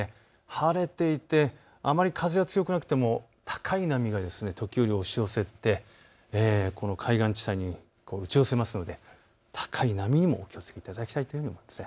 晴れていてあまり風が強くなくても高い波が時折、押し寄せて海岸地帯に打ち寄せるので高い波にもお気をつけいただきたいと思います。